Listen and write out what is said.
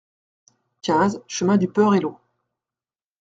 quinze chemin du Perello